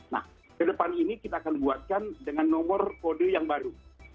nah ke depan ini kita akan buatkan dengan nomor kode yang baru